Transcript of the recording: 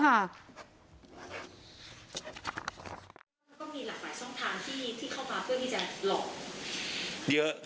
มันก็มีหลากหลายช่องทางที่เข้ามาเพื่อที่จะหลอกเยอะ